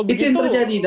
itu yang terjadi